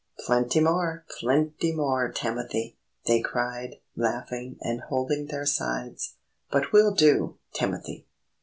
"Plenty more! Plenty more, Timothy!" they cried, laughing and holding their sides. "But we'll do, Timothy!